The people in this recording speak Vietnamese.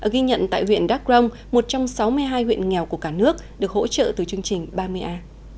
ghi nhận tại huyện đắk rông một trong sáu mươi hai huyện nghèo của cả nước được hỗ trợ từ chương trình ba mươi a